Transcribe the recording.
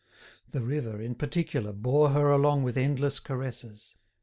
The river, in particular, bore her along with endless caresses.